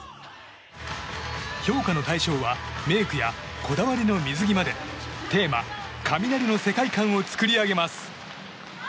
評価の対象はメイクやこだわりの水着までテーマ、雷の世界観を作り上げます。